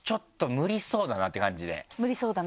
無理そうだなって。